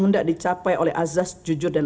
hendak dicapai oleh azas jujur dan